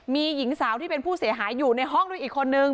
มีหญิงสาวที่เป็นผู้เสียหายอยู่ในห้องด้วยอีกคนนึง